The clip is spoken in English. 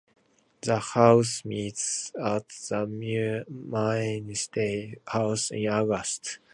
The House meets at the Maine State House in Augusta.